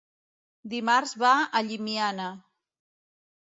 Dimarts va a Llimiana.